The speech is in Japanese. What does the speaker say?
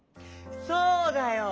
そうだよ。